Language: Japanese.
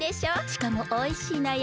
しかもおいしいのよ。